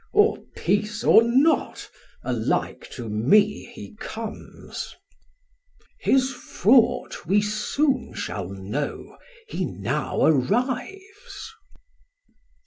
Sam: Or peace or not, alike to me he comes. Chor: His fraught we soon shall know, he now arrives.